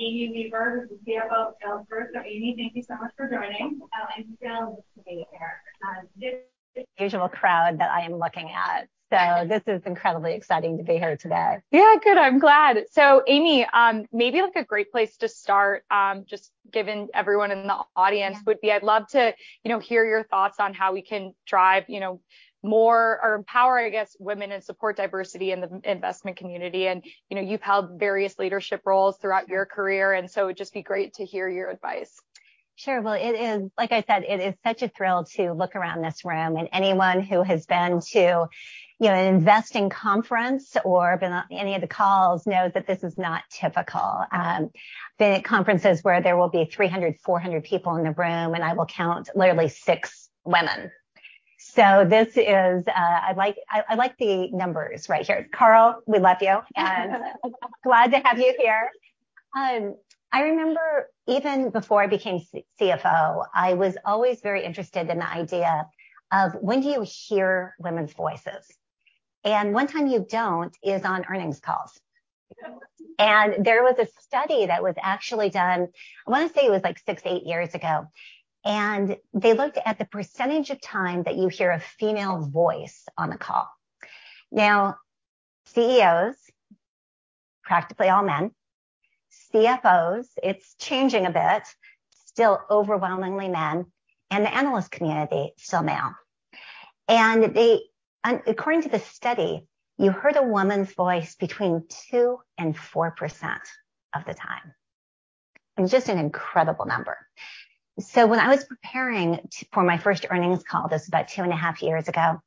Amy Weaver, who's the CFO of Salesforce. Amy, thank you so much for joining. It's still good to be here. the usual crowd that I am looking at. Yeah. This is incredibly exciting to be here today. Yeah, good. I'm glad. Amy, maybe, like, a great place to start, just giving everyone in the audience Yeah would be I'd love to, you know, hear your thoughts on how we can drive, you know, more... or empower, I guess, women and support diversity in the investment community. You know, you've held various leadership roles throughout your career, and so it'd just be great to hear your advice. Sure. Well, like I said, it is such a thrill to look around this room. Anyone who has been to, you know, an investing conference or been on any of the calls knows that this is not typical. Been at conferences where there will be 300, 400 people in the room. I will count literally 6 women. This is. I like the numbers right here. Carl, we love you. Glad to have you here. I remember even before I became CFO, I was always very interested in the idea of when do you hear women's voices? One time you don't is on earnings calls. There was a study that was actually done, I wanna say it was, like, 6 to 8 years ago. They looked at the % of time that you hear a female voice on the call. CEOs, practically all men. CFOs, it's changing a bit, still overwhelmingly men. The analyst community, still male. They, according to the study, you heard a woman's voice between 2% and 4% of the time. Just an incredible number. When I was preparing for my first earnings call, this was about 2 and a half years ago,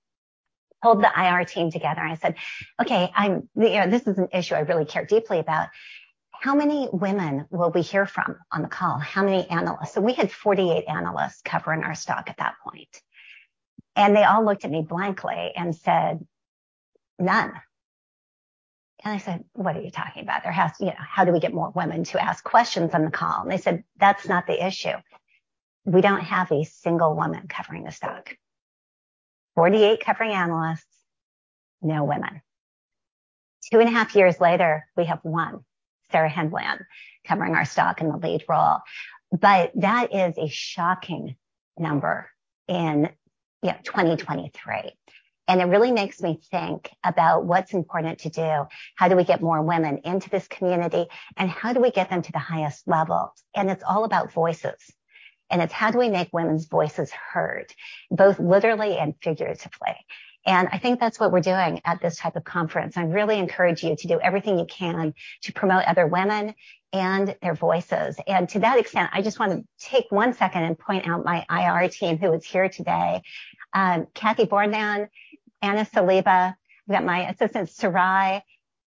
pulled the IR team together. I said: "Okay, I'm, you know, this is an issue I really care deeply about. How many women will we hear from on the call? How many analysts?" We had 48 analysts covering our stock at that point, and they all looked at me blankly and said, "None." I said: "What are you talking about? You know, how do we get more women to ask questions on the call?" They said, "That's not the issue. We don't have a single woman covering the stock." 48 covering analysts, no women. Two and a half years later, we have one, Sarah Hindlian, covering our stock in the lead role. That is a shocking number in, yeah, 2023, and it really makes me think about what's important to do. How do we get more women into this community, and how do we get them to the highest level? It's all about voices, and it's how do we make women's voices heard, both literally and figuratively. I think that's what we're doing at this type of conference. I really encourage you to do everything you can to promote other women and their voices. To that extent, I just want to take one second and point out my IR team who is here today, Cathy Bornand, Anna Saliba. We've got my assistant, Sarai.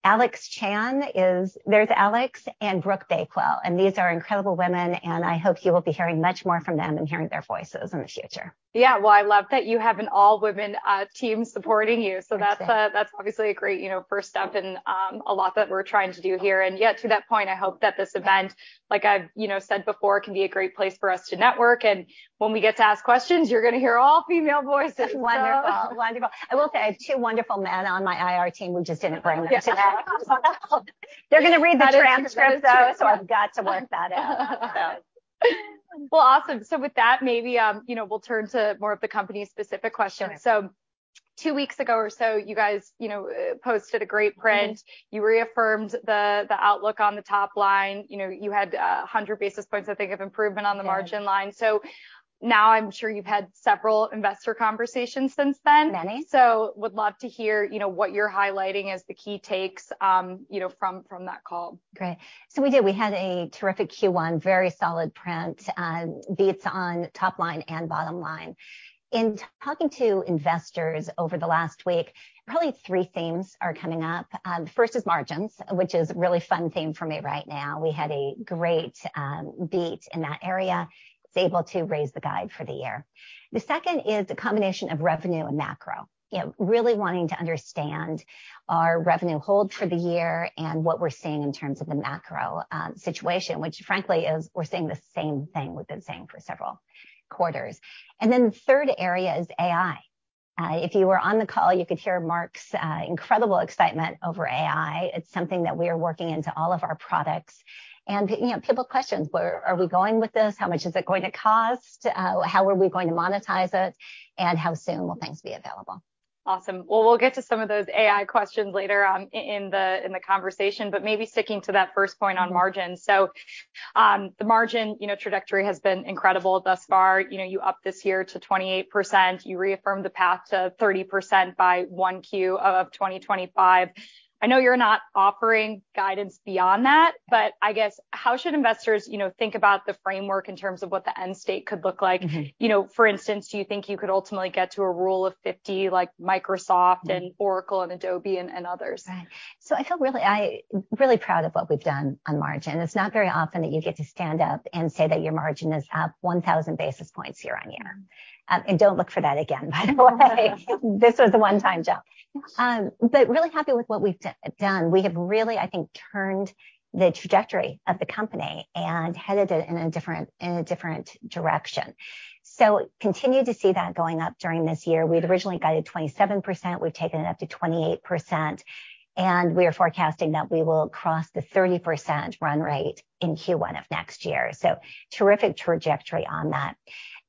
Alexandra Chan is Alex and Brooke Bakewell. These are incredible women, and I hope you will be hearing much more from them and hearing their voices in the future. Yeah. Well, I love that you have an all-women team supporting you. Thanks. That's, that's obviously a great, you know, first step in a lot that we're trying to do here. Yeah, to that point, I hope that this event, like I've, you know, said before, can be a great place for us to network, and when we get to ask questions, you're gonna hear all female voices. Wonderful, wonderful. I will say, I have two wonderful men on my IR team. We just didn't bring them today. They're gonna read the transcript, though. That is true, too. I've got to work that out, so. Well, awesome. With that, maybe, you know, we'll turn to more of the company's specific questions. Sure. Two weeks ago or so, you guys, you know, posted a great print. You reaffirmed the outlook on the top line. You know, you had 100 basis points, I think, of improvement on the-. Yeah -margin line. Now I'm sure you've had several investor conversations since then. Many. Would love to hear, you know, what you're highlighting as the key takes, you know, from that call. Great. We did. We had a terrific Q1, very solid print, beats on top line and bottom line. In talking to investors over the last week, probably three themes are coming up. The first is margins, which is a really fun theme for me right now. We had a great beat in that area, was able to raise the guide for the year. The second is the combination of revenue and macro. You know, really wanting to understand our revenue hold for the year and what we're seeing in terms of the macro situation, which frankly is we're seeing the same thing we've been seeing for several quarters. The third area is AI. If you were on the call, you could hear Mark's incredible excitement over AI. It's something that we are working into all of our products. You know, people questions: Where are we going with this? How much is it going to cost? How are we going to monetize it, and how soon will things be available? Awesome. Well, we'll get to some of those AI questions later on in the conversation, but maybe sticking to that first point on margins. The margin, you know, trajectory has been incredible thus far. You know, you upped this year to 28%. You reaffirmed the path to 30% by 1Q of 2025. I know you're not offering guidance beyond that, I guess, how should investors, you know, think about the framework in terms of what the end state could look like? You know, for instance, do you think you could ultimately get to a Rule of 50, like Microsoft? Mm Oracle and Adobe and others? Right. I feel really proud of what we've done on margin. It's not very often that you get to stand up and say that your margin is up 1,000 basis points year-on-year. Don't look for that again, by the way. This was a one-time gem. Really happy with what we've done. We have really, I think, turned the trajectory of the company and headed it in a different direction. Continue to see that going up during this year. We'd originally guided 27%, we've taken it up to 28%, and we are forecasting that we will cross the 30% run rate in Q1 of next year. Terrific trajectory on that.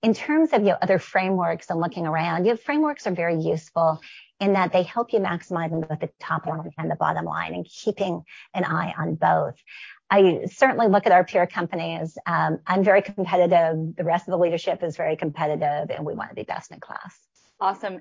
In terms of, you know, other frameworks and looking around, you know, frameworks are very useful in that they help you maximize them both the top line and the bottom line, and keeping an eye on both. I certainly look at our peer companies. I'm very competitive, the rest of the leadership is very competitive, and we wanna be best in class. Awesome.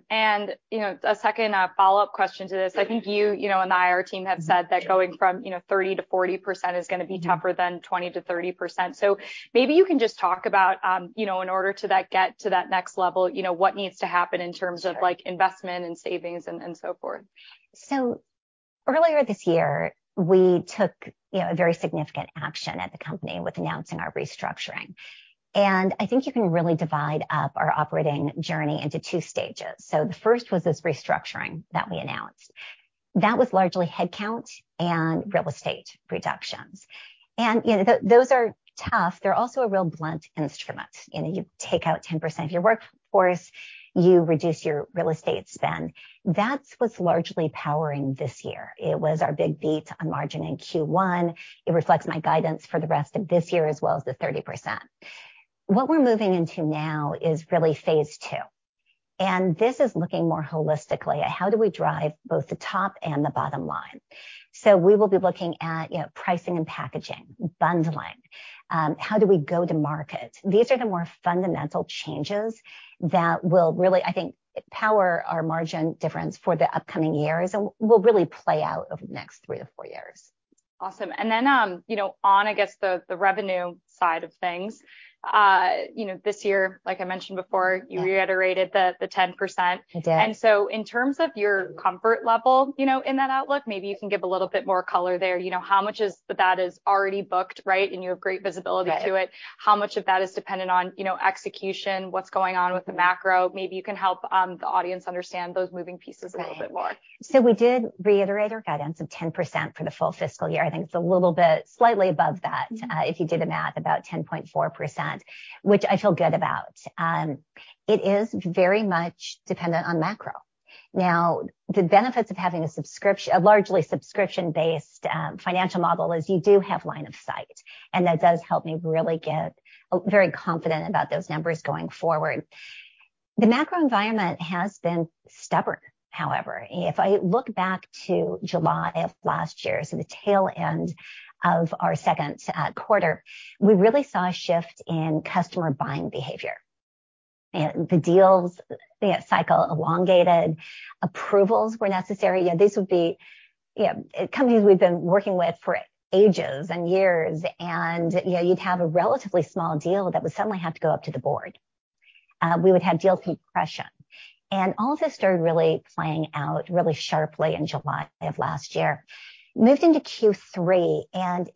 You know, a second, follow-up question to this. I think you know, and the IR team have said that going from, you know, 30% to 40% is gonna be tougher. Mm-hmm than 20%-30%. Maybe you can just talk about, you know, in order to get to that next level, you know, what needs to happen in terms of... Sure like, investment and savings and so forth. Earlier this year, we took, you know, a very significant action at the company with announcing our restructuring. I think you can really divide up our operating journey into two stages. The first was this restructuring that we announced. That was largely headcount and real estate reductions. You know, those are tough. They're also a real blunt instrument. You know, you take out 10% of your workforce, you reduce your real estate spend. That's what's largely powering this year. It was our big beat on margin in Q1. It reflects my guidance for the rest of this year, as well as the 30%. What we're moving into now is really phase II, and this is looking more holistically at how do we drive both the top and the bottom line. We will be looking at, you know, pricing and packaging, bundling, how do we go to market? These are the more fundamental changes that will really, I think, power our margin difference for the upcoming years, and will really play out over the next 3-4 years. Awesome. You know, on, I guess, the revenue side of things, you know, this year, like I mentioned before. Yeah you reiterated the 10%. I did. In terms of your comfort level, you know, in that outlook, maybe you can give a little bit more color there. You know, how much is of that is already booked, right? You have great visibility to it. Right. How much of that is dependent on, you know, execution, what's going on with the macro? Maybe you can help the audience understand those moving pieces a little bit more. Right. We did reiterate our guidance of 10% for the full fiscal year. I think it's a little bit slightly above that. Mm-hmm. If you did the math, about 10.4%, which I feel good about. It is very much dependent on macro. The benefits of having a largely subscription-based financial model is you do have line of sight, and that does help me really get very confident about those numbers going forward. The macro environment has been stubborn, however. If I look back to July of last year, so the tail end of our second quarter, we really saw a shift in customer buying behavior. The deals, the cycle elongated, approvals were necessary. You know, these would be, you know, companies we've been working with for ages and years, and, you know, you'd have a relatively small deal that would suddenly have to go up to the board. We would have deal compression. All this started really playing out really sharply in July of last year. Moved into Q3,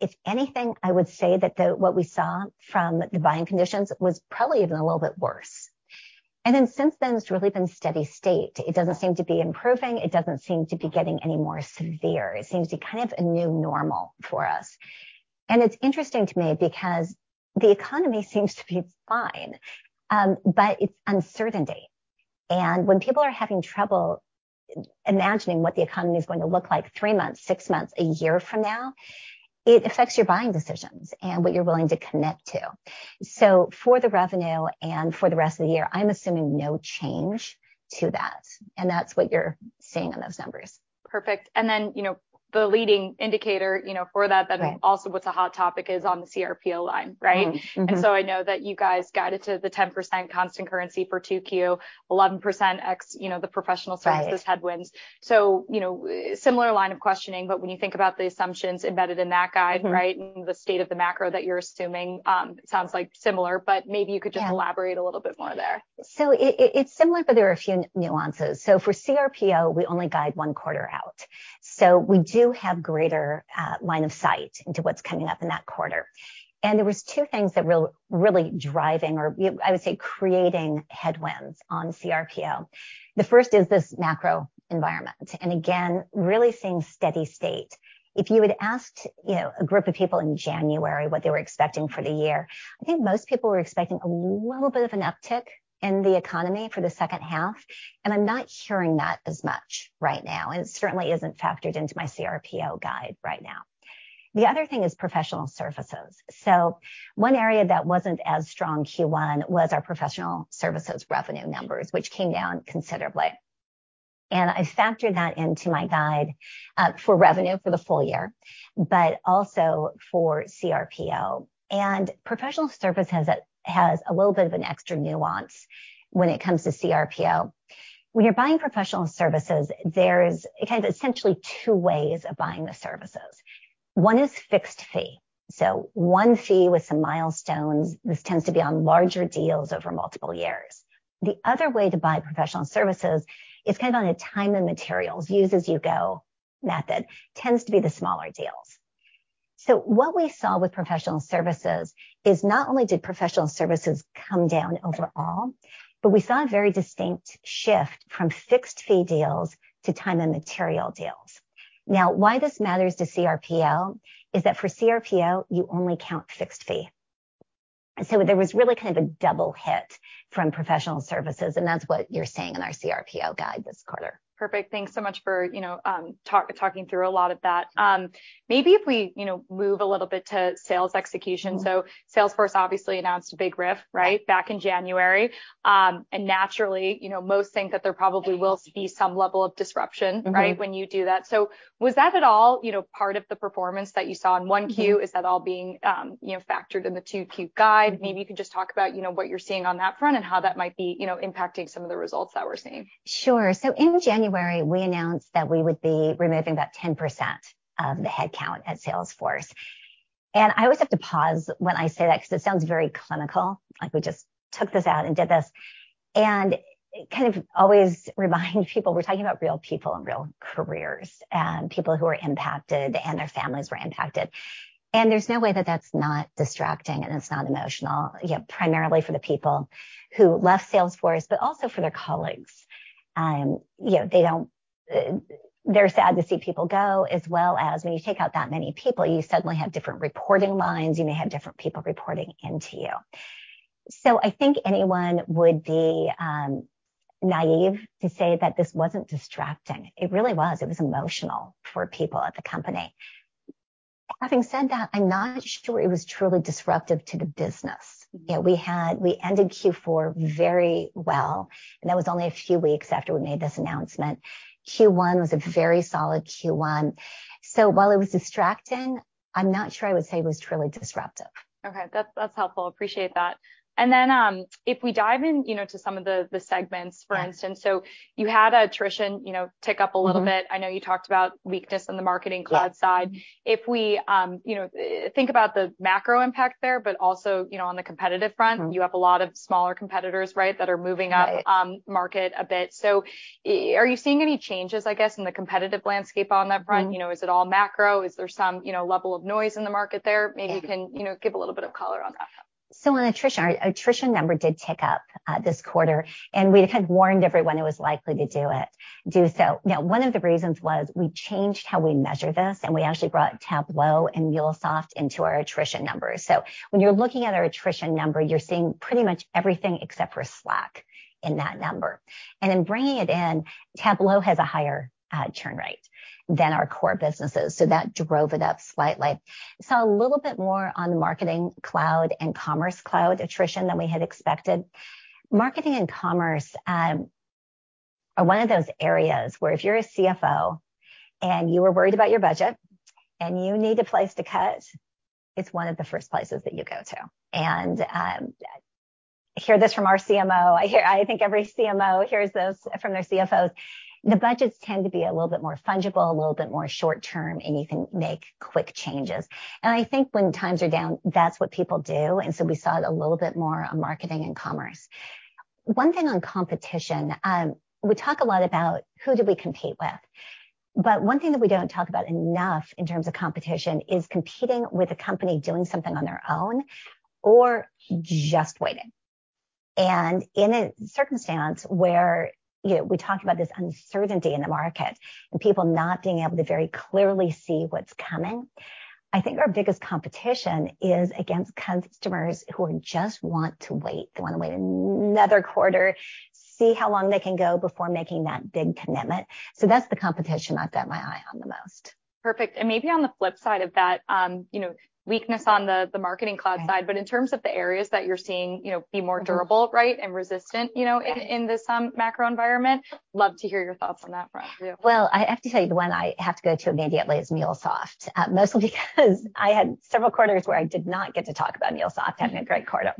if anything, I would say that what we saw from the buying conditions was probably even a little bit worse. Since then, it's really been steady state. It doesn't seem to be improving, it doesn't seem to be getting any more severe. It seems to be kind of a new normal for us. It's interesting to me because the economy seems to be fine, but it's uncertainty. When people are having trouble imagining what the economy is going to look like 3 months, 6 months, 1 year from now, it affects your buying decisions and what you're willing to commit to. For the revenue and for the rest of the year, I'm assuming no change to that, and that's what you're seeing on those numbers. Perfect. then, you know, the leading indicator, you know. Right Also what's a hot topic, is on the CRPO line, right? Mm-hmm, mm-hmm. I know that you guys guided to the 10% constant currency for 2Q, 11% ex, you know, the professional services headwinds. Right. you know, similar line of questioning, but when you think about the assumptions embedded in that guide-? Mm-hmm right, the state of the macro that you're assuming, sounds like similar, but maybe you could? Yeah elaborate a little bit more there. It's similar, but there are a few nuances. For CRPO, we only guide one quarter out. We do have greater line of sight into what's coming up in that quarter. There were two things that were really driving, or I would say, creating headwinds on CRPO. The first is this macro environment, and again, really seeing steady state. If you had asked, you know, a group of people in January what they were expecting for the year, I think most people were expecting a little bit of an uptick in the economy for the second half, and I'm not hearing that as much right now, and it certainly isn't factored into my CRPO guide right now. The other thing is professional services. One area that wasn't as strong Q1 was our professional services revenue numbers, which came down considerably. I factored that into my guide for revenue for the full year, but also for CRPO. Professional services has a little bit of an extra nuance when it comes to CRPO. When you're buying professional services, there's kind of essentially two ways of buying the services. One is fixed fee, so one fee with some milestones. This tends to be on larger deals over multiple years. The other way to buy professional services is kind of on a time and materials, use as you go method, tends to be the smaller deals. What we saw with professional services is not only did professional services come down overall, but we saw a very distinct shift from fixed fee deals to time and material deals. Why this matters to CRPO is that for CRPO, you only count fixed fee. There was really kind of a double hit from professional services, and that's what you're seeing in our CRPO guide this quarter. Perfect. Thanks so much for, you know, talking through a lot of that. Maybe if we, you know, move a little bit to sales execution. Mm-hmm. Salesforce obviously announced a big RIF, right? back in January. Naturally, you know, most think that there probably will be some level of disruption. Mm-hmm... right, when you do that. Was that at all, you know, part of the performance that you saw in 1Q? Mm-hmm. Is that all being, you know, factored in the 2Q guide? Mm-hmm. Maybe you can just talk about, you know, what you're seeing on that front and how that might be, you know, impacting some of the results that we're seeing. Sure. In January, we announced that we would be removing about 10% of the headcount at Salesforce. I always have to pause when I say that because it sounds very clinical, like we just took this out and did this. Kind of always remind people we're talking about real people and real careers, and people who are impacted, and their families were impacted. There's no way that that's not distracting and it's not emotional, you know, primarily for the people who left Salesforce, but also for their colleagues. You know, they're sad to see people go, as well as when you take out that many people, you suddenly have different reporting lines, you may have different people reporting into you. I think anyone would be naive to say that this wasn't distracting. It really was. It was emotional for people at the company. Having said that, I'm not sure it was truly disruptive to the business. Mm-hmm. You know, we ended Q4 very well, and that was only a few weeks after we made this announcement. Q1 was a very solid Q1. While it was distracting, I'm not sure I would say it was truly disruptive. Okay, that's helpful. Appreciate that. Then, if we dive in, you know, to some of the segments. Yeah... for instance. You had attrition, you know, tick up a little bit. Mm-hmm. I know you talked about weakness in the Marketing Cloud side. If we, you know, think about the macro impact there, but also, you know, on the competitive front. Mm-hmm... you have a lot of smaller competitors, right, that are moving up- Right... market a bit. Are you seeing any changes, I guess, in the competitive landscape on that front? Mm-hmm. You know, is it all macro? Is there some, you know, level of noise in the market there? Yeah. Maybe you can, you know, give a little bit of color on that. On attrition, our attrition number did tick up this quarter, and we had kind of warned everyone it was likely to do so. One of the reasons was we changed how we measure this, and we actually brought Tableau and MuleSoft into our attrition numbers. When you're looking at our attrition number, you're seeing pretty much everything except for Slack in that number. In bringing it in, Tableau has a higher churn rate than our core businesses, so that drove it up slightly. Saw a little bit more on the Marketing Cloud and Commerce Cloud attrition than we had expected. Marketing and Commerce are one of those areas where if you're a CFO and you are worried about your budget and you need a place to cut, it's one of the first places that you go to. I hear this from our CMO. I think every CMO hears this from their CFOs. The budgets tend to be a little bit more fungible, a little bit more short term, and you can make quick changes. I think when times are down, that's what people do, and so we saw it a little bit more on marketing and commerce. One thing on competition, we talk a lot about who do we compete with, but one thing that we don't talk about enough in terms of competition is competing with a company doing something on their own or just waiting. In a circumstance where, you know, we talk about this uncertainty in the market and people not being able to very clearly see what's coming, I think our biggest competition is against customers who are just want to wait. They wanna wait another quarter, see how long they can go before making that big commitment. That's the competition I've got my eye on the most. Perfect. Maybe on the flip side of that, you know, weakness on the Marketing Cloud side. Right... but in terms of the areas that you're seeing, you know, be more durable... Mm-hmm... right, and resistant, you know. Yeah... in this macro environment, love to hear your thoughts on that front, too. Well, I have to tell you, the one I have to go to immediately is MuleSoft, mostly because I had several quarters where I did not get to talk about MuleSoft having a great quarter.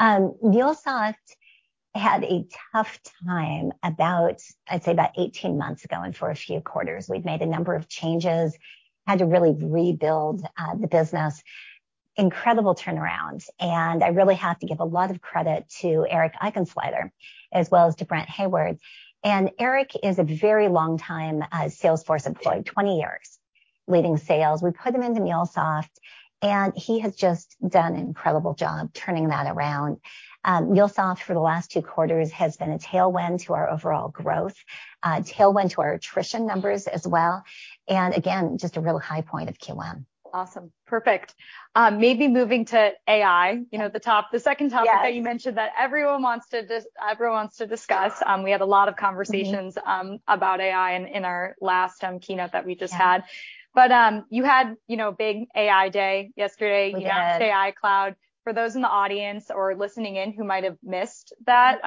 MuleSoft had a tough time about, I'd say about 18 months ago, and for a few quarters. We've made a number of changes, had to really rebuild the business. Incredible turnaround, and I really have to give a lot of credit to Eric Schweitzer, as well as to Brent Hayward. Eric is a very long time, Salesforce employee, 20 years, leading sales. We put him into MuleSoft, and he has just done an incredible job turning that around. MuleSoft, for the last 2 quarters, has been a tailwind to our overall growth, a tailwind to our attrition numbers as well, and again, just a real high point of Q1. Awesome. Perfect. Maybe moving to AI, you know, the second topic. Yes... that you mentioned that everyone wants to discuss. We had a lot of conversations. Mm-hmm... about AI in our last keynote that we just had. Yeah. You had, you know, big AI Day yesterday. We did. You announced AI Cloud. For those in the audience or listening in who might have missed that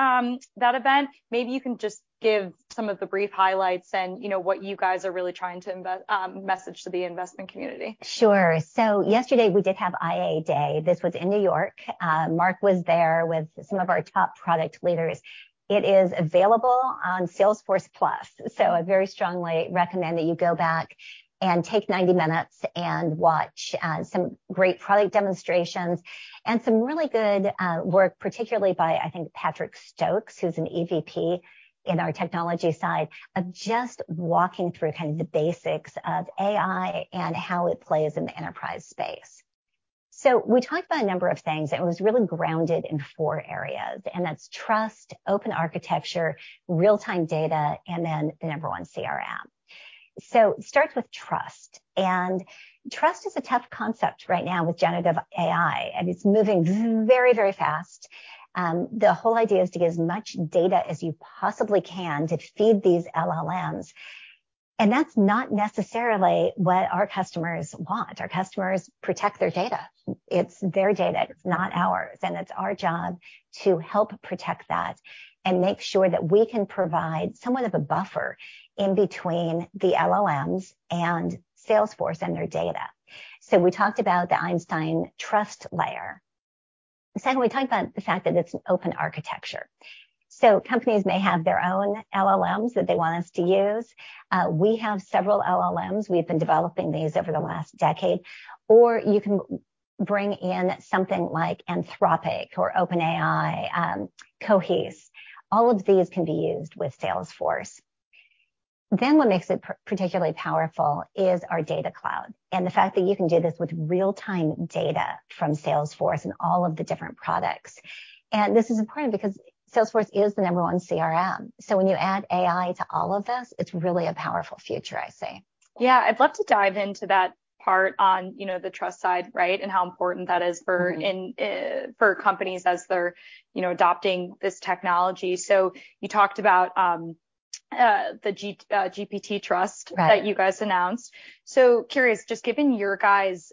event, maybe you can just give some of the brief highlights and, you know, what you guys are really trying to message to the investment community. Sure. Yesterday we did have AI Day. This was in New York. Mark was there with some of our top product leaders. It is available on Salesforce+, so I very strongly recommend that you go back and take 90 minutes and watch some great product demonstrations and some really good work, particularly by, I think, Patrick Stokes, who's an EVP in our technology side, of just walking through kind of the basics of AI and how it plays in the enterprise space. We talked about a number of things, and it was really grounded in four areas, and that's trust, open architecture, real-time data, and then the number one CRM. It starts with trust, and trust is a tough concept right now with generative AI, and it's moving very, very fast. The whole idea is to get as much data as you possibly can to feed these LLMs, and that's not necessarily what our customers want. Our customers protect their data. It's their data, it's not ours, and it's our job to help protect that and make sure that we can provide somewhat of a buffer in between the LLMs and Salesforce and their data. We talked about the Einstein Trust Layer. Second, we talked about the fact that it's an open architecture. Companies may have their own LLMs that they want us to use. We have several LLMs. We've been developing these over the last decade. Or you can bring in something like Anthropic or OpenAI, Cohere. All of these can be used with Salesforce. What makes it particularly powerful is our Data Cloud, and the fact that you can do this with real-time data from Salesforce and all of the different products. This is important because Salesforce is the number 1 CRM. When you add AI to all of this, it's really a powerful future, I say. Yeah, I'd love to dive into that part on, you know, the trust side, right? how important that. Mm-hmm... for companies as they're, you know, adopting this technology. You talked about, GPT Trust- Right... that you guys announced. Curious, just given your guys',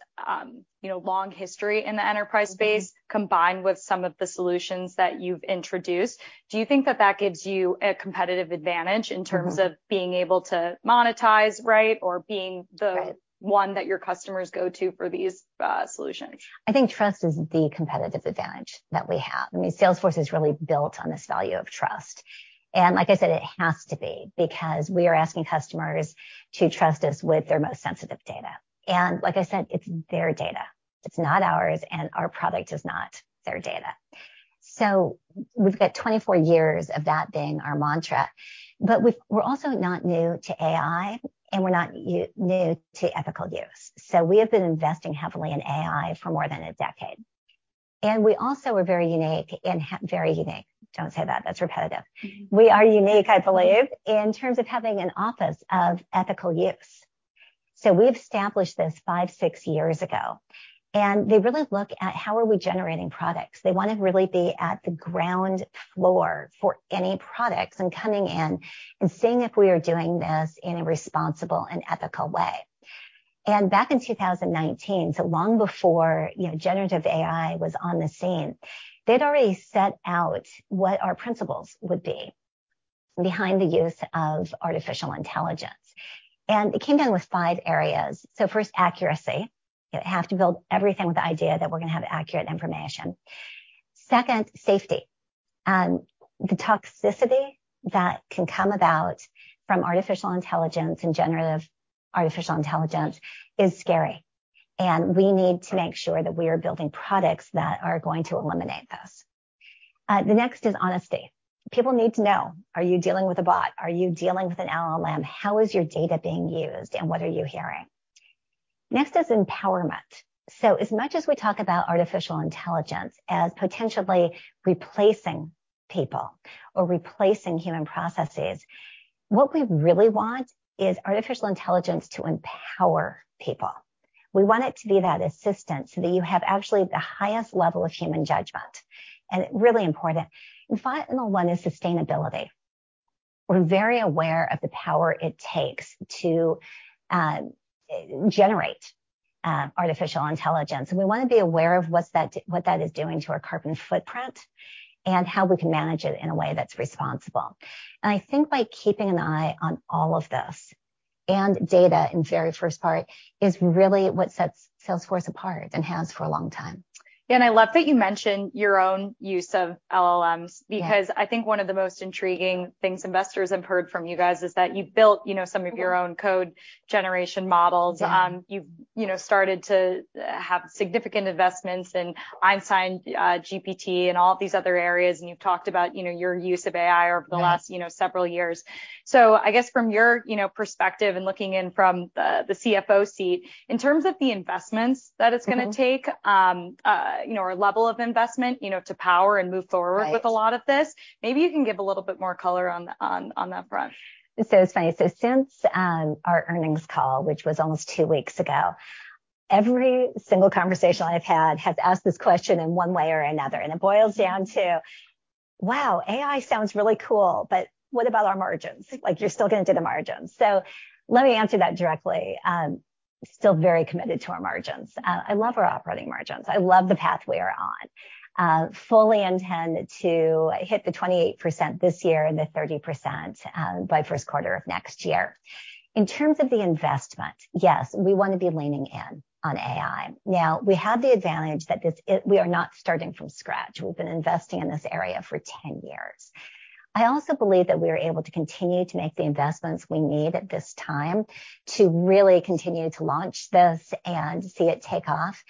you know, long history in the enterprise space. Mm-hmm... combined with some of the solutions that you've introduced, do you think that gives you a competitive advantage in terms of- Mm-hmm... being able to monetize, right. Right... one that your customers go to for these solutions? I think trust is the competitive advantage that we have. I mean, Salesforce is really built on this value of trust, like I said, it has to be, because we are asking customers to trust us with their most sensitive data. Like I said, it's their data. It's not ours, and our product is not their data. We've got 24 years of that being our mantra, but we're also not new to AI, and we're not new to ethical use. We have been investing heavily in AI for more than a decade. We also are very unique and very unique. Don't say that's repetitive. Mm-hmm. We are unique, I believe, in terms of having an office of ethical use. We established this five, six years ago, and they really look at how are we generating products? They wanna really be at the ground floor for any products and coming in and seeing if we are doing this in a responsible and ethical way. Back in 2019, so long before, you know, generative AI was on the scene, they'd already set out what our principles would be behind the use of artificial intelligence, and it came down with five areas. First, accuracy. You have to build everything with the idea that we're gonna have accurate information. Second, safety. The toxicity that can come about from artificial intelligence and generative artificial intelligence is scary, and we need to make sure that we are building products that are going to eliminate those. The next is honesty. People need to know, are you dealing with a bot? Are you dealing with an LLM? How is your data being used, and what are you hearing? As much as we talk about artificial intelligence as potentially replacing people or replacing human processes, what we really want is artificial intelligence to empower people. We want it to be that assistant, so that you have actually the highest level of human judgment, and really important. The final one is sustainability. We're very aware of the power it takes to generate artificial intelligence, and we wanna be aware of what that is doing to our carbon footprint and how we can manage it in a way that's responsible. I think by keeping an eye on all of this, and data in very first part, is really what sets Salesforce apart and has for a long time. I love that you mentioned your own use of LLMs. Yeah... because I think one of the most intriguing things investors have heard from you guys is that you've built, you know, some of your own code generation models. Yeah. You've started to have significant investments in Einstein GPT, and all of these other areas, and you've talked about your use of AI... Yeah... over the last, you know, several years. I guess from your, you know, perspective and looking in from the CFO seat, in terms of the investments that it's gonna take... Mm-hmm... you know, or level of investment, you know, to power and move forward. Right with a lot of this, maybe you can give a little bit more color on that front. It's funny. Since our earnings call, which was almost 2 weeks ago, every single conversation I've had has asked this question in one way or another, and it boils down to: Wow, AI sounds really cool, what about our margins? Like, you're still gonna do the margins. Let me answer that directly. Still very committed to our margins. I love our operating margins. I love the path we are on. Fully intend to hit the 28% this year and the 30% by 1st quarter of next year. In terms of the investment, yes, we wanna be leaning in on AI. Now, we have the advantage that we are not starting from scratch. We've been investing in this area for 10 years. I also believe that we are able to continue to make the investments we need at this time to really continue to launch this and see it take off,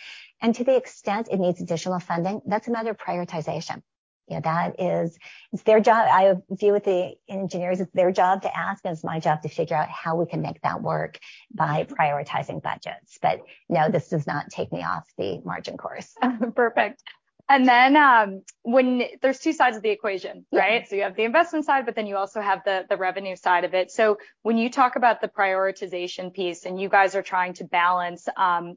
and to the extent it needs additional funding, that's another prioritization. Yeah, that is, it's their job. I view with the engineers, it's their job to ask, and it's my job to figure out how we can make that work by prioritizing budgets. No, this does not take me off the margin course. Perfect. When there's two sides of the equation, right? Yeah. You have the investment side, but then you also have the revenue side of it. When you talk about the prioritization piece, and you guys are trying to balance,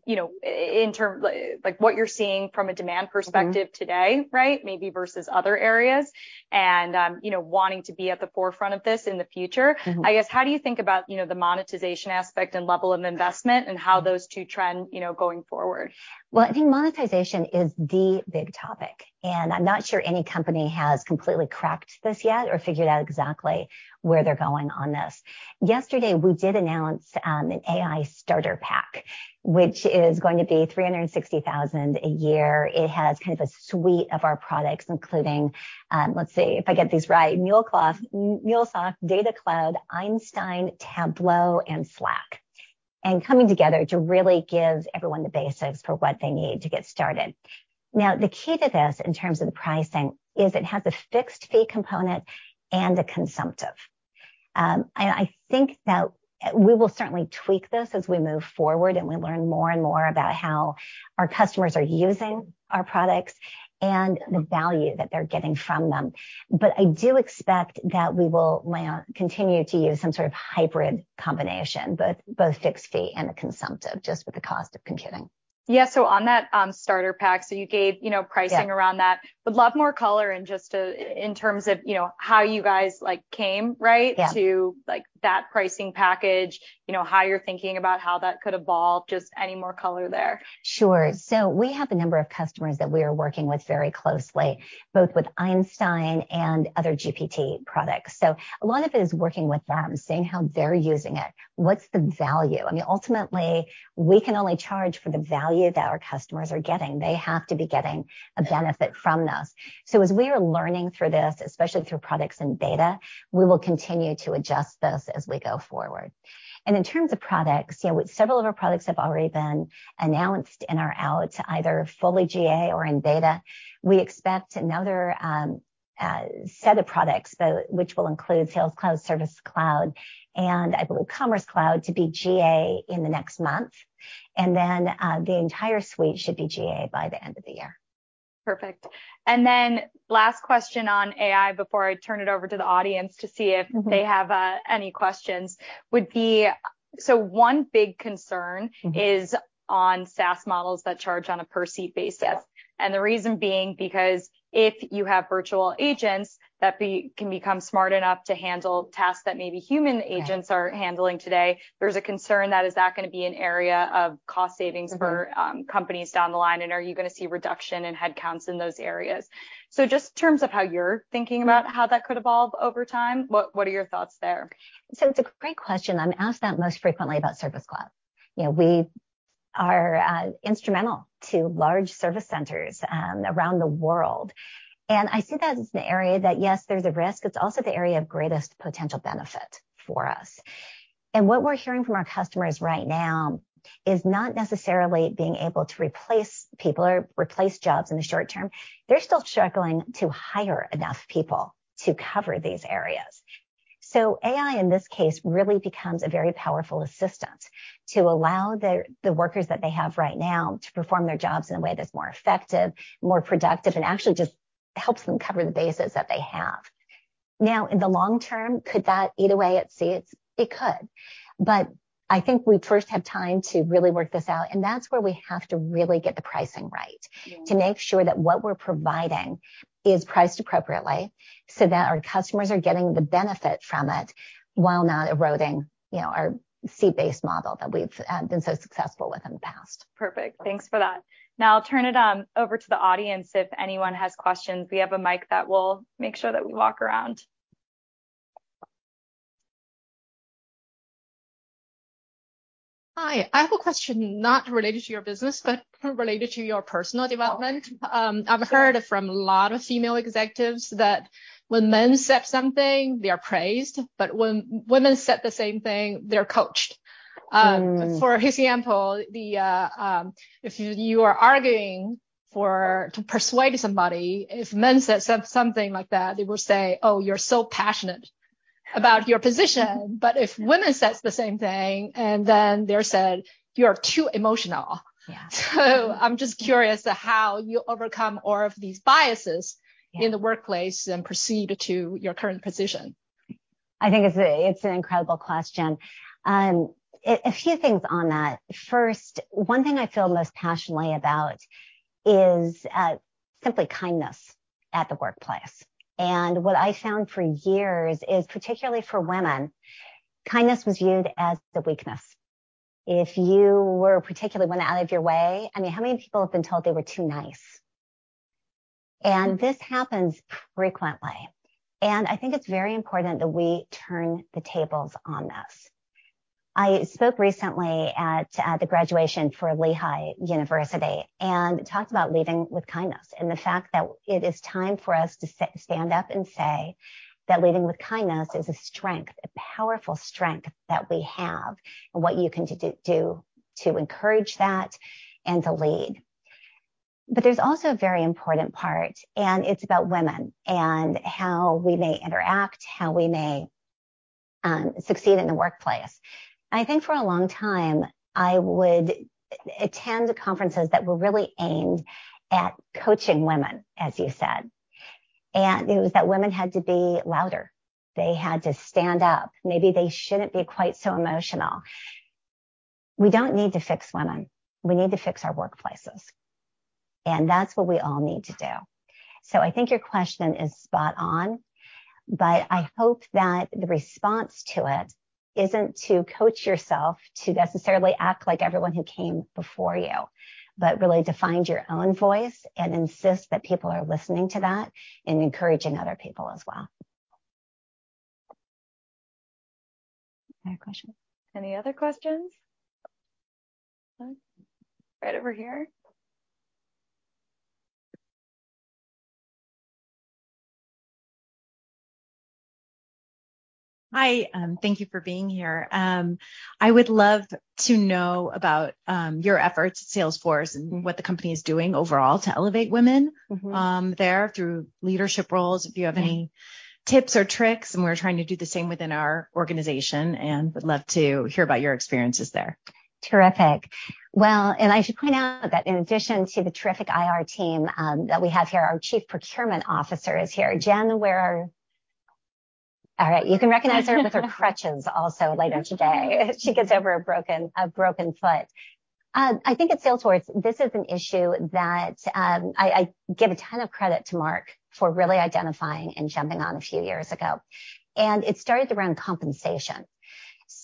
you know, in term, like, what you're seeing from a demand perspective. Mm-hmm... today, right? Maybe versus other areas and, you know, wanting to be at the forefront of this in the future- Mm-hmm... I guess, how do you think about, you know, the monetization aspect and level of investment and how those two trend, you know, going forward? Well, I think monetization is the big topic, and I'm not sure any company has completely cracked this yet or figured out exactly where they're going on this. Yesterday, we did announce an AI starter pack, which is going to be $360,000 a year. It has kind of a suite of our products, including, let's see, if I get these right, MuleSoft, Data Cloud, Einstein, Tableau, and Slack, and coming together to really give everyone the basics for what they need to get started. The key to this, in terms of the pricing, is it has a fixed fee component and a consumptive. I think that we will certainly tweak this as we move forward and we learn more and more about how our customers are using our products and the value that they're getting from them. I do expect that we will, well, continue to use some sort of hybrid combination, both fixed fee and a consumptive, just with the cost of computing. Yeah. On that, starter pack, so you gave, you know, pricing around that. Yeah. Would love more color and just, in terms of, you know, how you guys, like, came, right? Yeah. To, like, that pricing package. You know, how you're thinking about how that could evolve, just any more color there? Sure. We have a number of customers that we are working with very closely, both with Einstein and other GPT products. A lot of it is working with them, seeing how they're using it. What's the value? I mean, ultimately, we can only charge for the value that our customers are getting. They have to be getting a benefit from this. As we are learning through this, especially through products in beta, we will continue to adjust this as we go forward. In terms of products, you know, several of our products have already been announced and are out, either fully GA or in beta. We expect another set of products, though, which will include Sales Cloud, Service Cloud, and I believe Commerce Cloud, to be GA in the next month. Then, the entire suite should be GA by the end of the year. Perfect. Last question on AI before I turn it over to the audience to see if. Mm-hmm they have any questions. One big concern-. Mm-hmm... is on SaaS models that charge on a per-seat basis. Yeah. The reason being, because if you have virtual agents that can become smart enough to handle tasks that maybe human agents... Right... are handling today, there's a concern that is that gonna be an area of cost savings for- Mm-hmm companies down the line, Are you gonna see a reduction in headcounts in those areas? Just in terms of how you're thinking about- Mm... how that could evolve over time, what are your thoughts there? It's a great question. I'm asked that most frequently about Service Cloud. You know, we are instrumental to large service centers around the world, and I see that as an area that, yes, there's a risk, it's also the area of greatest potential benefit for us. What we're hearing from our customers right now is not necessarily being able to replace people or replace jobs in the short term. They're still struggling to hire enough people to cover these areas. AI, in this case, really becomes a very powerful assistant to allow the workers that they have right now to perform their jobs in a way that's more effective, more productive, and actually just helps them cover the bases that they have. In the long term, could that eat away at seats? It could, but I think we first have time to really work this out, and that's where we have to really get the pricing right. Mm... to make sure that what we're providing is priced appropriately so that our customers are getting the benefit from it while not eroding, you know, our seat-based model that we've been so successful with in the past. Perfect. Thanks for that. I'll turn it over to the audience if anyone has questions. We have a mic that we'll make sure that we walk around. Hi, I have a question not related to your business, but related to your personal development. Okay. I've heard from a lot of female executives that when men said something, they are praised, but when women said the same thing, they're coached. Mm. For example, if you are arguing for, to persuade somebody, if men said something like that, they will say, "Oh, you're so passionate about your position. Mm-hmm. If women says the same thing, and then they're said: "You're too emotional. Yeah. I'm just curious as to how you overcome all of these biases. Yeah in the workplace and proceed to your current position? I think it's a, it's an incredible question. A few things on that. First, one thing I feel most passionately about is, simply kindness at the workplace. What I found for years is, particularly for women, kindness was viewed as a weakness. If you were, particularly, went out of your way... I mean, how many people have been told they were too nice? Mm. This happens frequently, and I think it's very important that we turn the tables on this. I spoke recently at the graduation for Lehigh University and talked about leading with kindness, and the fact that it is time for us to stand up and say that leading with kindness is a strength, a powerful strength that we have, and what you can do to encourage that and to lead. There's also a very important part, and it's about women and how we may interact, how we may succeed in the workplace. I think for a long time, I would attend conferences that were really aimed at coaching women, as you said, and it was that women had to be louder. They had to stand up. Maybe they shouldn't be quite so emotional. We don't need to fix women. We need to fix our workplaces, and that's what we all need to do. I think your question is spot on, I hope that the response to it isn't to coach yourself to necessarily act like everyone who came before you, but really to find your own voice and insist that people are listening to that and encouraging other people as well. Another question? Any other questions? right over here. Hi, thank you for being here. I would love to know about your efforts at Salesforce and what the company is doing overall to elevate women- Mm-hmm. there through leadership roles. Yeah. If you have any tips or tricks, and we're trying to do the same within our organization, and would love to hear about your experiences there. Terrific. Well, I should point out that in addition to the terrific IR team, that we have here, our Chief Procurement Officer is here. Jen, All right. You can recognize her with her crutches also later today. Yeah... she gets over a broken foot. I think at Salesforce, this is an issue that, I give a ton of credit to Mark for really identifying and jumping on a few years ago, and it started around compensation.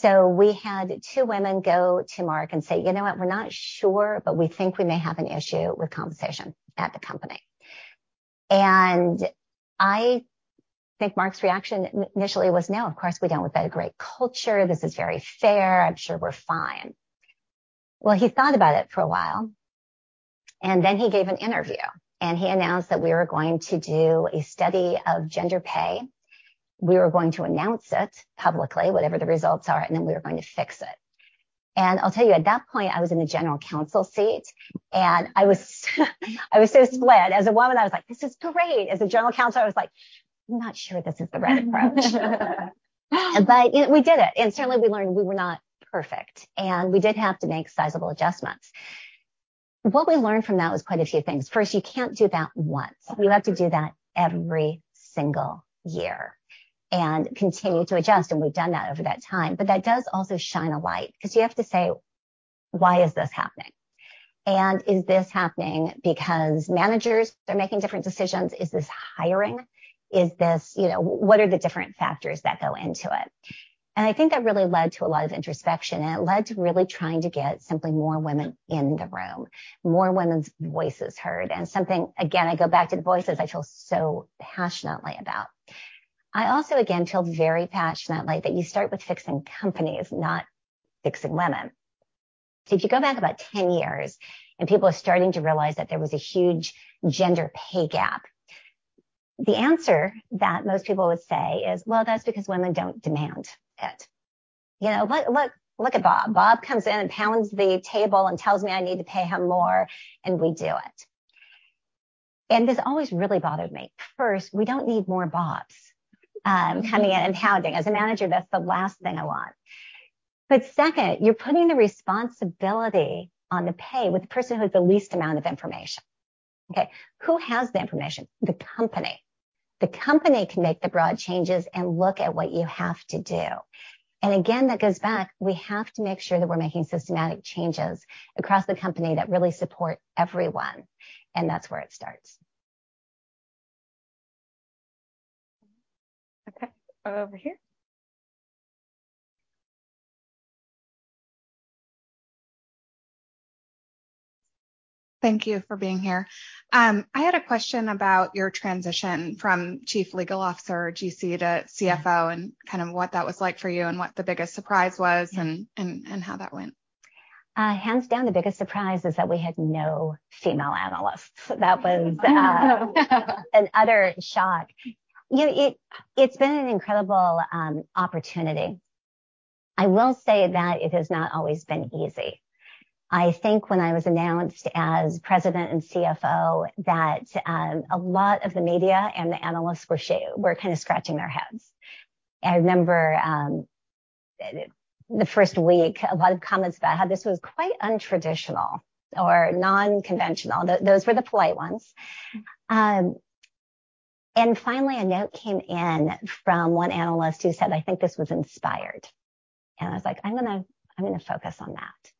We had two women go to Mark and say: "You know what? We're not sure, but we think we may have an issue with compensation at the company." I think Mark's reaction initially was: "No, of course, we don't. We've got a great culture. This is very fair. I'm sure we're fine." Well, he thought about it for a while, and then he gave an interview, and he announced that we were going to do a study of gender pay. We were going to announce it publicly, whatever the results are, and then we were going to fix it. I'll tell you, at that point, I was in the general counsel seat, and I was so split. As a woman, I was like, "This is great!" As a general counsel, I was like, "I'm not sure this is the right approach." You know, we did it, and certainly we learned we were not perfect, and we did have to make sizable adjustments. What we learned from that was quite a few things. First, you can't do that once. Mm-hmm. You have to do that every single year and continue to adjust, and we've done that over that time. That does also shine a light, 'cause you have to say: "Why is this happening? Is this happening because managers are making different decisions? Is this hiring? Is this..." You know, what are the different factors that go into it? I think that really led to a lot of introspection, and it led to really trying to get simply more women in the room, more women's voices heard. Something... Again, I go back to the voices I feel so passionately about. I also, again, feel very passionately that you start with fixing companies, not fixing women. If you go back about 10 years, people are starting to realize that there was a huge gender pay gap, the answer that most people would say is: "Well, that's because women don't demand it. You know, look at Bob. Bob comes in and pounds the table and tells me I need to pay him more, and we do it." This always really bothered me. First, we don't need more Bobs coming in and pounding. As a manager, that's the last thing I want. Second, you're putting the responsibility on the pay with the person who has the least amount of information. Okay? Who has the information? The company. The company can make the broad changes and look at what you have to do. Again, that goes back, we have to make sure that we're making systematic changes across the company that really support everyone, and that's where it starts. Okay. Over here. Thank you for being here. I had a question about your transition from Chief Legal Officer, GC, to CFO. Mm-hmm... and kind of what that was like for you and what the biggest surprise was? Yeah... and how that went. Hands down, the biggest surprise is that we had no female analysts. That was an utter shock. You know, it's been an incredible opportunity. I will say that it has not always been easy. I think when I was announced as President and CFO, that a lot of the media and the analysts were kind of scratching their heads. I remember the first week, a lot of comments about how this was quite untraditional or non-conventional. Those were the polite ones. Finally, a note came in from one analyst who said: "I think this was inspired." I was like, "I'm gonna focus on that."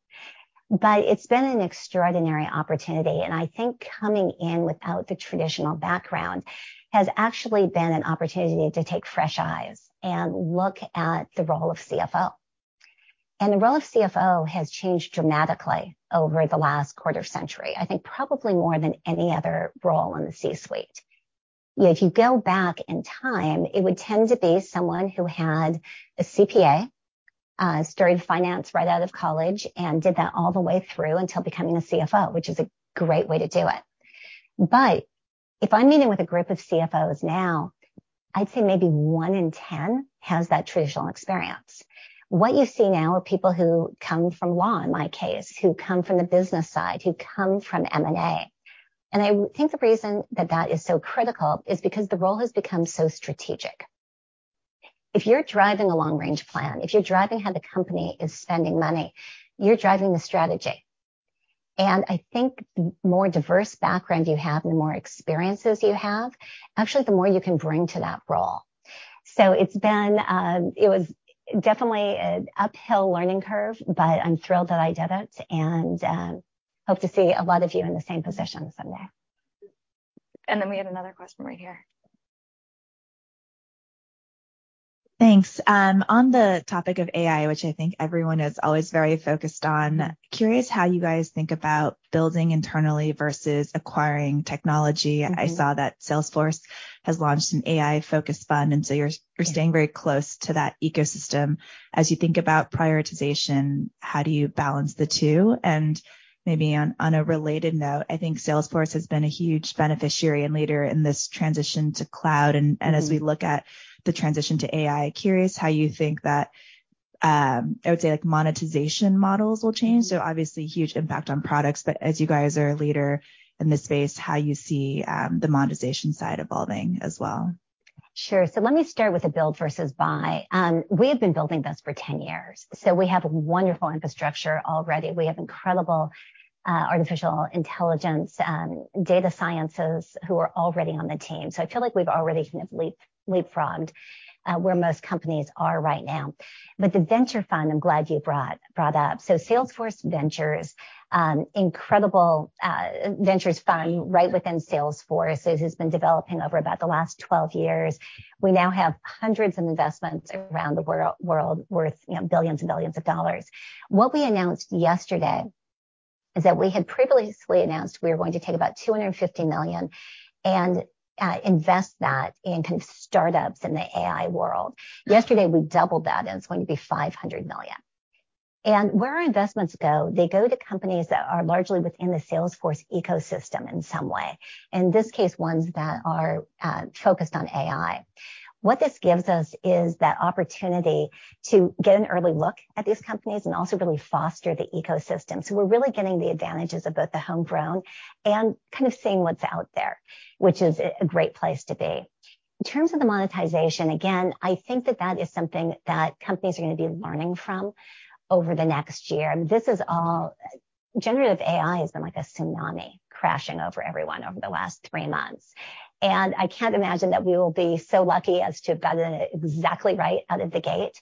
It's been an extraordinary opportunity, and I think coming in without the traditional background has actually been an opportunity to take fresh eyes and look at the role of CFO. The role of CFO has changed dramatically over the last quarter century, I think probably more than any other role in the C-suite. You know, if you go back in time, it would tend to be someone who had a CPA, started finance right out of college, and did that all the way through until becoming a CFO, which is a great way to do it. If I'm meeting with a group of CFOs now... I'd say maybe one in 10 has that traditional experience. What you see now are people who come from law, in my case, who come from the business side, who come from M&A. I think the reason that that is so critical is because the role has become so strategic. If you're driving a long-range plan, if you're driving how the company is spending money, you're driving the strategy. I think the more diverse background you have, and the more experiences you have, actually, the more you can bring to that role. It's been, it was definitely an uphill learning curve, but I'm thrilled that I did it, and, hope to see a lot of you in the same position someday. We have another question right here. Thanks. On the topic of AI, which I think everyone is always very focused on, curious how you guys think about building internally versus acquiring technology? Mm-hmm. I saw that Salesforce has launched an AI-focused fund. Yeah... staying very close to that ecosystem. As you think about prioritization, how do you balance the two? maybe on a related note, I think Salesforce has been a huge beneficiary and leader in this transition to cloud. Mm-hmm. As we look at the transition to AI, curious how you think that, I would say, like, monetization models will change. Mm-hmm. Obviously, huge impact on products, but as you guys are a leader in this space, how you see the monetization side evolving as well? Sure. Let me start with the build versus buy. We have been building this for 10 years, so we have wonderful infrastructure already. We have incredible artificial intelligence, data sciences who are already on the team. I feel like we've already kind of leapfrogged where most companies are right now. The venture fund, I'm glad you brought up. Salesforce Ventures, incredible ventures fund right within Salesforce. It has been developing over about the last 12 years. We now have hundreds of investments around the world, worth, you know, billions and billions of dollars. What we announced yesterday is that we had previously announced we were going to take about $250 million and invest that in kind of startups in the AI world. Yesterday, we doubled that. It's going to be $500 million. Where our investments go, they go to companies that are largely within the Salesforce ecosystem in some way, in this case, ones that are focused on AI. What this gives us is that opportunity to get an early look at these companies and also really foster the ecosystem. We're really getting the advantages of both the homegrown and kind of seeing what's out there, which is a great place to be. In terms of the monetization, again, I think that that is something that companies are gonna be learning from over the next year. Generative AI has been like a tsunami crashing over everyone over the last 3 months, and I can't imagine that we will be so lucky as to have gotten it exactly right out of the gate.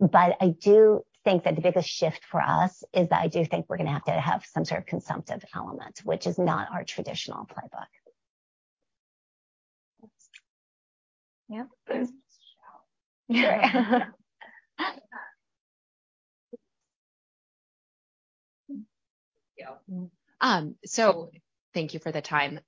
I do think that the biggest shift for us is that I do think we're gonna have to have some sort of consumptive element, which is not our traditional playbook. Yeah. Yeah. Thank you for the time.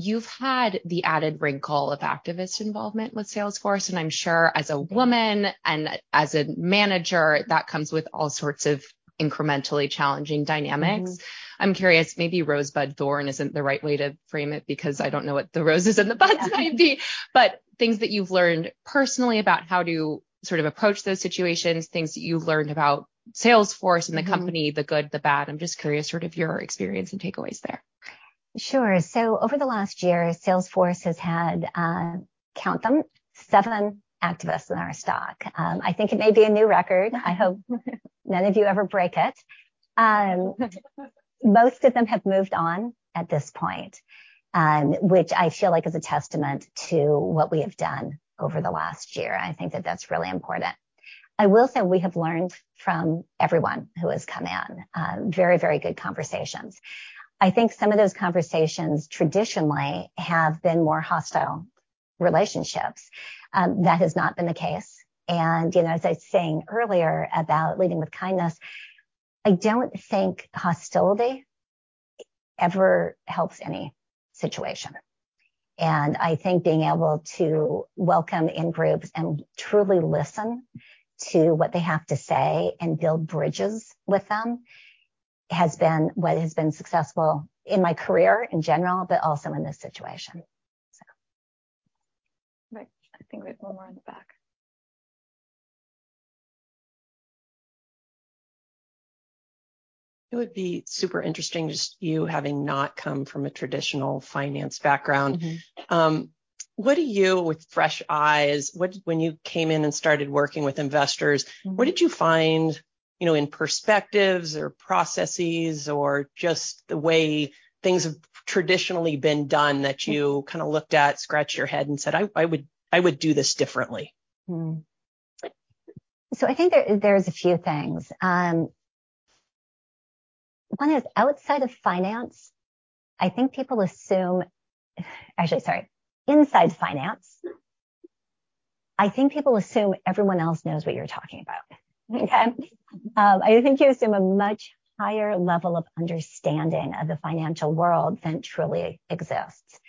You've had the added wrinkle of activist involvement with Salesforce. I'm sure as a woman... Mm-hmm... and as a manager, that comes with all sorts of incrementally challenging dynamics. Mm-hmm. I'm curious, maybe rosebud thorn isn't the right way to frame it, because I don't know what the roses and the buds might be, but things that you've learned personally about how to sort of approach those situations, things that you've learned about Salesforce- Mm-hmm... and the company, the good, the bad. I'm just curious, sort of your experience and takeaways there. Sure. Over the last year, Salesforce has had, count them, seven activists in our stock. I think it may be a new record. I hope none of you ever break it. Most of them have moved on at this point, which I feel like is a testament to what we have done over the last year. I think that that's really important. I will say we have learned from everyone who has come in, very, very good conversations. I think some of those conversations traditionally have been more hostile relationships. That has not been the case, and, you know, as I was saying earlier about leading with kindness, I don't think hostility ever helps any situation. I think being able to welcome in groups and truly listen to what they have to say and build bridges with them, has been what has been successful in my career in general, but also in this situation, so. Right. I think we have one more in the back. It would be super interesting, just you having not come from a traditional finance background. Mm-hmm. What do you, with fresh eyes, when you came in and started working with investors. Mm-hmm... what did you find, you know, in perspectives or processes or just the way things have traditionally been done, that you kinda looked at, scratched your head, and said, "I would do this differently? I think there's a few things. Inside finance, I think people assume everyone else knows what you're talking about. I think you assume a much higher level of understanding of the financial world than truly exists.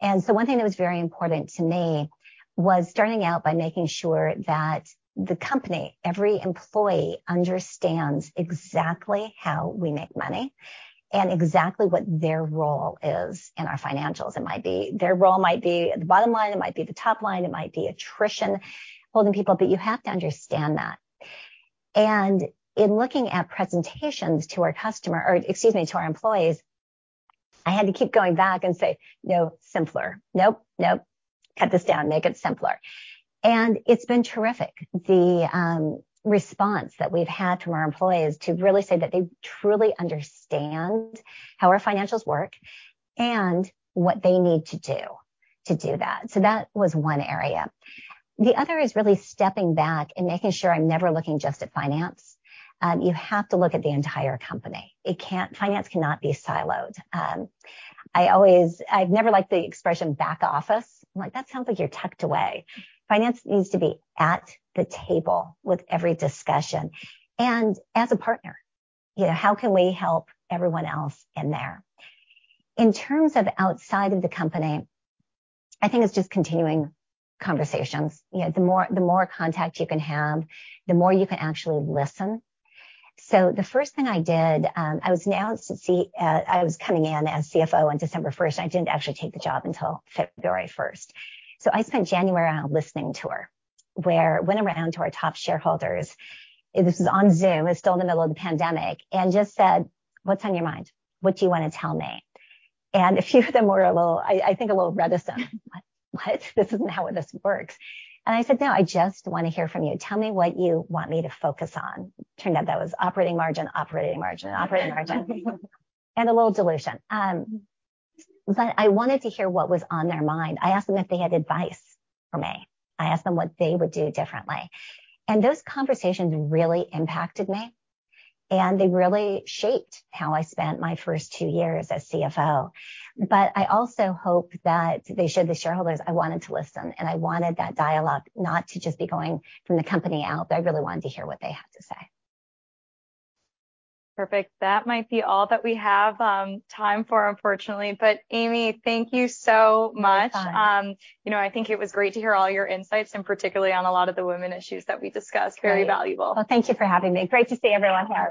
One thing that was very important to me was starting out by making sure that the company, every employee, understands exactly how we make money. Exactly what their role is in our financials. Their role might be the bottom line, it might be the top line, it might be attrition, holding people, but you have to understand that. In looking at presentations to our customer, or to our employees, I had to keep going back and say: "No, simpler. Nope. Cut this down, make it simpler." It's been terrific, the response that we've had from our employees to really say that they truly understand how our financials work and what they need to do to do that. That was one area. The other is really stepping back and making sure I'm never looking just at finance. You have to look at the entire company. Finance cannot be siloed. I always... I've never liked the expression back office. I'm like, "That sounds like you're tucked away." Finance needs to be at the table with every discussion, and as a partner. How can we help everyone else in there? In terms of outside of the company, I think it's just continuing conversations. The more, the more contact you can have, the more you can actually listen. The first thing I did, I was announced I was coming in as CFO on December 1st. I didn't actually take the job until February 1st. I spent January on a listening tour, where I went around to our top shareholders, this is on Zoom, it's still in the middle of the pandemic, and just said: "What's on your mind? What do you wanna tell me?" A few of them were a little, I think, a little reticent. "What? This isn't how this works." I said, "No, I just wanna hear from you. Tell me what you want me to focus on." Turned out that was operating margin, operating margin, operating margin, and a little dilution. I wanted to hear what was on their mind. I asked them if they had advice for me. I asked them what they would do differently. Those conversations really impacted me, and they really shaped how I spent my first two years as CFO. I also hope that they showed the shareholders I wanted to listen, and I wanted that dialogue not to just be going from the company out, but I really wanted to hear what they had to say. Perfect. That might be all that we have, time for, unfortunately. Amy, thank you so much. It's fine. You know, I think it was great to hear all your insights, and particularly on a lot of the women issues that we discussed. Great. Very valuable. Well, thank you for having me. Great to see everyone here.